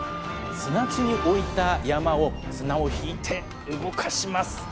砂地に置いた曳山を綱を引いて動かします。